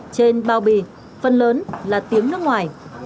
trên bao bì phần lớn là tiếng nước ngoài